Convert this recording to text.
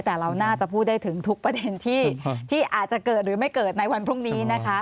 แต่เราน่าจะพูดได้ถึงทุกประเด็นที่อาจจะเกิดหรือไม่เกิดในวันพรุ่งนี้นะคะ